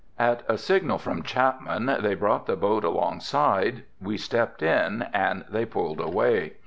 At a signal from Chapman they brought the boat along side, we stepped in and they pulled away.